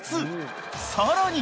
［さらに］